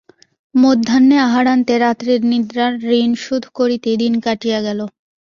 মধ্যাহ্নে আহারান্তে রাত্রের নিদ্রার ঋণশোধ করিতে দিন কাটিয়া গেল।